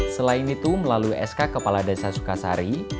selain itu melalui sk kepala desa sukasari